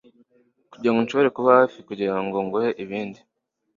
kugirango nshobore kuba hafi kugirango nguhe ibindi